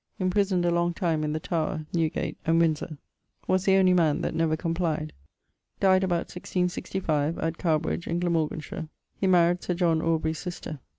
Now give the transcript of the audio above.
Imprisoned a long time in the Tower, Newgate, and Windsore. Was the only man that never complied. Dyed about 1665, at Cowbridge in Glamorganshire. He marryed Sir John Aubrey's sister.